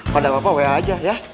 kondak bapak well aja ya